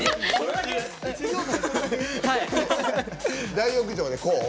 大浴場で、こう。